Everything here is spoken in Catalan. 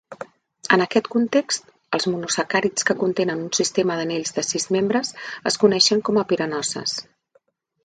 En aquest context, els monosacàrids que contenen un sistema d'anells de sis membres es coneixen com a piranoses.